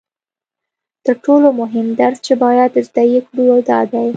تر ټولو مهم درس چې باید زده یې کړو دا دی